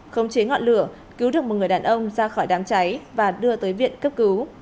không chế ngọn lửa cứu được một người đàn ông ra khỏi đám cháy và đưa tới viện cấp cứu